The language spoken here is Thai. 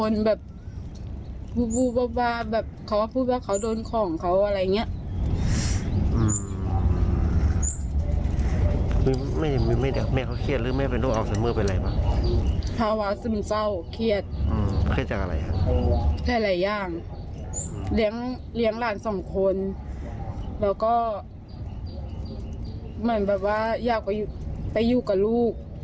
แล้วก็มันแบบว่ายากไปอยู่กับลูก